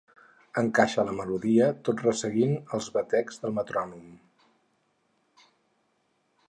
Encaixa la melodia tot resseguint els batecs del metrònom.